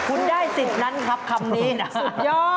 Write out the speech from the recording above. คุณได้สิทธิ์นั้นคับคำนี้นะฮะ